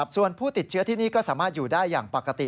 ส่วนผู้ติดเชื้อที่นี่ก็สามารถอยู่ได้อย่างปกติ